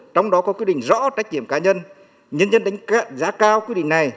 trong đó có quy định rõ trách nhiệm cá nhân nhân dân đánh giá cao quy định này